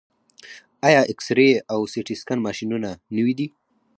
آیا اکسرې او سټي سکن ماشینونه نوي دي؟